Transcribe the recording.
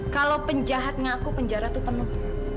kalau penjahat ngaku penjara itu penuh